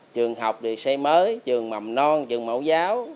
trường học thì xây mới trường mầm non trường mẫu giáo